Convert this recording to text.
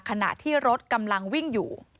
ขณะที่รถกำลังวิ่งอยู่